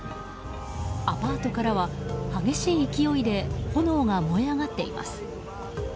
アパートからは激しい勢いで炎が燃え上がっています。